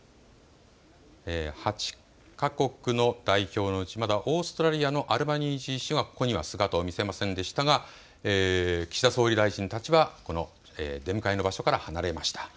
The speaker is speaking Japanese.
８か国の代表のうちまだオーストラリアのアルバニージー氏がここには姿を見せませんでしたが岸田総理大臣たちはこの出迎えの場所から離れました。